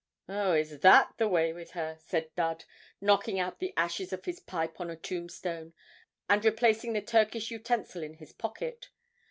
'Oh, is that the way with her?' said Dud, knocking out the ashes of his pipe on a tombstone, and replacing the Turkish utensil in his pocket.